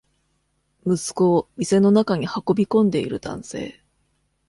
息子を店の中に運び込んでいる男性